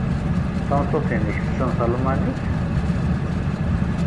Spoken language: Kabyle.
Tameṭṭut-nnek tessen talmanit?